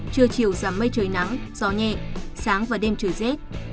trưa chiều giảm mây trời nắng gió nhẹ sáng và đêm trời rét